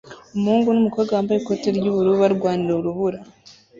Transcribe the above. Umuhungu numukobwa bambaye ikoti ryubururu barwanira urubura